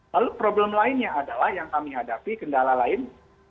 lalu problem lainnya adalah yang kami hadapi kendala lain